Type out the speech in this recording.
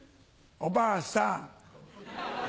おばあさん。